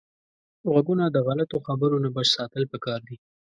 غوږونه د غلطو خبرو نه بچ ساتل پکار دي